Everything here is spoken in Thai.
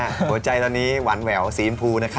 นะครับหัวใจตอนนี้หวานแหววสีอิมพูนะครับ